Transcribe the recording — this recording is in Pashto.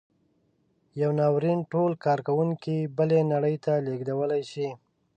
یو ناورین ټول کارکوونکي بلې نړۍ ته لېږدولی شي.